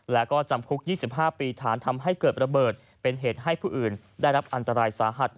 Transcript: และก็จำคุก๒๕ปีฐานทำให้เกิดระเบิดเป็นเหตุให้ผู้อื่นได้รับอันตรายสาหัส